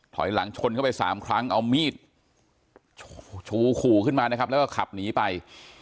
ถอยหลังชนเข้าไปสามครั้งเอามีดชูขู่ขึ้นมานะครับแล้วก็ขับหนีไป